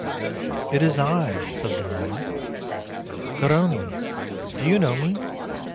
"It is I," said the latter; "Garrone: do you know me?"